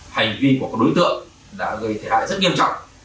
hành vi của các đối tượng đã gây thiệt hại rất nghiêm trọng